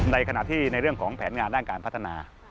ในขณะที่ในเรื่องของแผนงานด้านการพัฒนา